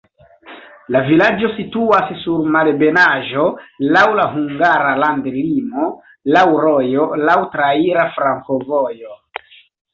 La vilaĝo situas sur malebenaĵo, laŭ la hungara landlimo, laŭ rojo, laŭ traira flankovojo.